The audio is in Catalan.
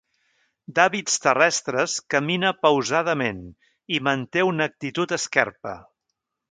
D'hàbits terrestres, camina pausadament i manté una actitud esquerpa.